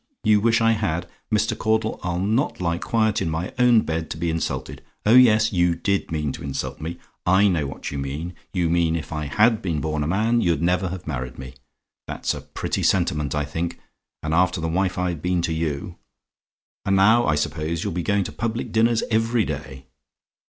"YOU WISH I HAD? "Mr. Caudle, I'll not lie quiet in my own bed to be insulted. Oh, yes, you DID mean to insult me. I know what you mean. You mean, if I HAD been born a man, you'd never have married me. That's a pretty sentiment, I think; and after the wife I've been to you. And now I suppose you'll be going to public dinners every day!